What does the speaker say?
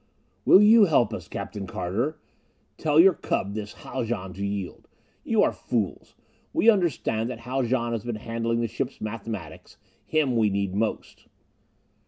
"Will you help us, Captain Carter? Tell your cub, this Haljan, to yield. You are fools. We understand that Haljan has been handling the ship's mathematics. Him we need most."